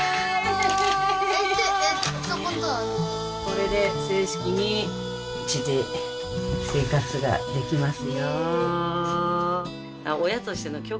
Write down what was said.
これで正式にうちで生活ができますよ。